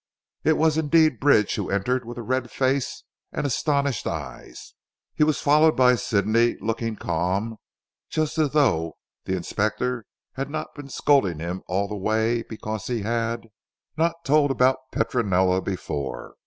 It was indeed Bridge who entered with a red face and astonished eyes. He was followed by Sidney looking calm, just as though the Inspector had not been scolding him all the way because he had not told about Petronella before.